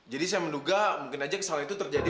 jadi saya menduga mungkin aja kesalahan itu terjadi